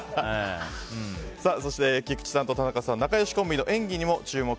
そして、菊池さんと田中さん仲良しコンビの演技にも注目。